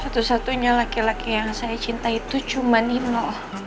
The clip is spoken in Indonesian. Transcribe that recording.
satu satunya laki laki yang saya cintai itu cuma nino